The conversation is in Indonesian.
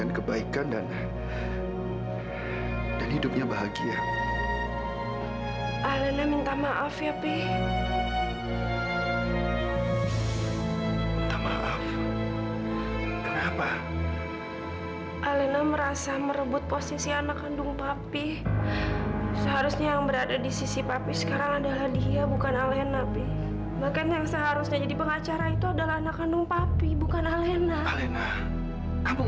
aduh aduh aduh kesini kan aduh